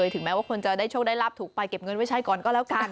ถึงแม้ว่าคนจะได้โชคได้รับถูกไปเก็บเงินไว้ใช้ก่อนก็แล้วกัน